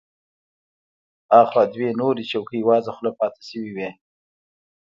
اخوا دوه نورې څوکۍ وازه خوله پاتې شوې وې.